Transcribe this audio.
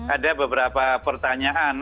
ada beberapa pertanyaan